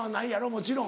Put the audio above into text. もちろん。